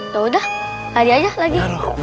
yaudah lari aja lagi